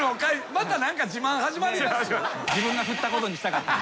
また何か自慢始まります？